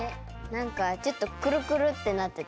なんかちょっとくるくるってなってたやつ。